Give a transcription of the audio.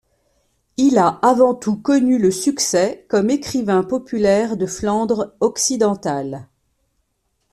Il a avant tout connu le succès comme écrivain populaire de Flandre Occidentale.